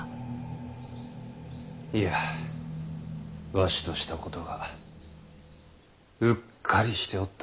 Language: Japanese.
いやわしとしたことがうっかりしておった。